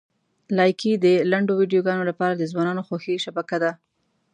لایکي د لنډو ویډیوګانو لپاره د ځوانانو خوښې شبکه ده.